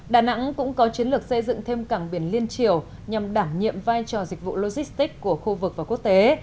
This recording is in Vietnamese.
đà nẵng cũng có chiến lược xây dựng thêm cảng biển liên triều nhằm đảm nhiệm vai trò dịch vụ logistics của khu vực và quốc tế